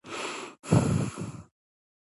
نو بېرته یې هماغه سل زره افغانۍ لاسته راځي